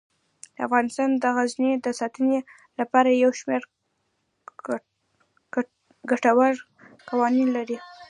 افغانستان د غزني د ساتنې لپاره یو شمیر ګټور قوانین لري.